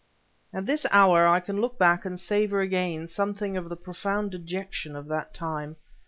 At this hour I can look back and savor again something of the profound dejection of that time.